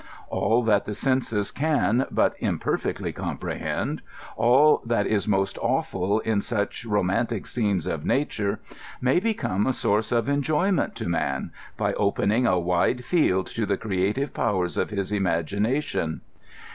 All that the senses can but imperfectly comprehend, all that is most awful in such romantic scenes of nature, may become a source of enjoyment to man, by opening a wide field to the creative powers of his imagination.